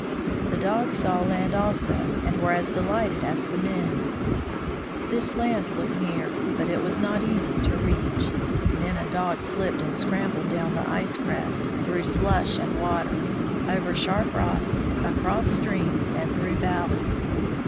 The dogs saw land also, and were as delighted as the men. This land looked near, but it was not easy to reach. Men and dogs slipped and scrambled down the ice crest, PEARY CROSSES GREENLAND 141 through slush and water, over sharp rocks, across streams, and through valleys.